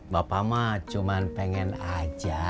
bapak mah cuma pengen aja